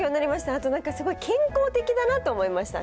あと健康的だなと思いました。